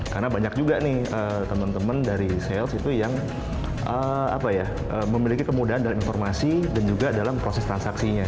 karena banyak juga nih teman teman dari sales itu yang memiliki kemudahan dalam informasi dan juga dalam proses transaksinya